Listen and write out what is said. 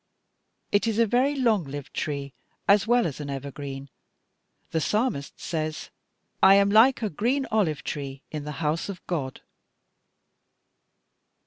It is a very long lived tree, as well as an evergreen; the Psalmist says, 'I am like a green olive tree in the house of God.'"